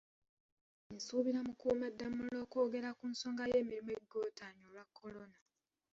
Kati nsuubira Mukuumaddamula okwogera ku nsonga y'emirimu egigootaanye olwa Corona